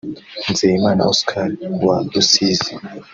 Nzeyimana Oscar wa Rusizi